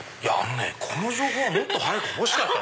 この情報はもっと早く欲しかった。